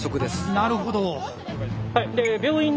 なるほど。